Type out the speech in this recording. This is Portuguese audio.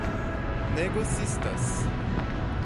negocistas